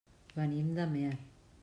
Venim d'Amer.